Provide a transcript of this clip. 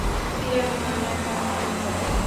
চিড়িয়াখানায় পাঠাতে হবে।